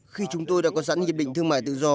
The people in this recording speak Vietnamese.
khi chúng tôi đã có sẵn hiệp định thương mại tự do